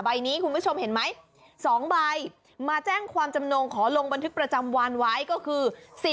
ใบนี้คุณผู้ชมเห็นไหม๒ใบมาแจ้งความจำนงขอลงบันทึกประจำวันไว้ก็คือ